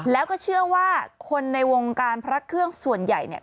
แล้วก็เชื่อว่าคนในวงการพระเครื่องส่วนใหญ่เนี่ย